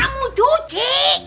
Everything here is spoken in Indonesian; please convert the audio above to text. yang kamu cuci